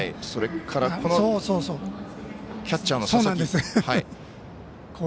それからキャッチャーの佐々木。